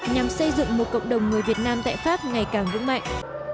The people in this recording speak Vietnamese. nhằm xây dựng một cộng đồng người việt nam tại pháp ngày càng vững mạnh